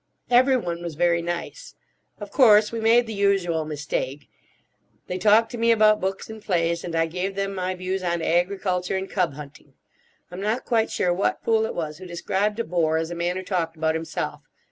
Everyone was very nice. Of course we made the usual mistake: they talked to me about books and plays, and I gave them my views on agriculture and cub hunting. I'm not quite sure what fool it was who described a bore as a man who talked about himself.